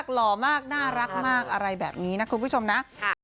หล่อมากน่ารักมากอะไรแบบนี้นะคุณผู้ชมนะ